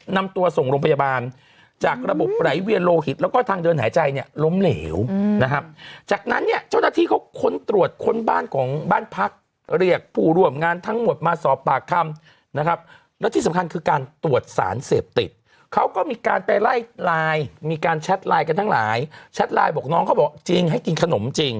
นำตัวส่งโรงพยาบาลจากระบบไหลเวียนโลหิตแล้วก็ทางเดินหายใจเนี่ยล้มเหลวนะครับจากนั้นเนี่ยเจ้าหน้าที่เขาค้นตรวจค้นบ้านของบ้านพักเรียกผู้ร่วมงานทั้งหมดมาสอบปากคำนะครับแล้วที่สำคัญคือการตรวจสารเสพติดเขาก็มีการไปไล่ไลน์มีการแชทไลน์กันทั้งหลายแชทไลน์บอกน้องเขาบอกจริงให้กินขนมจริง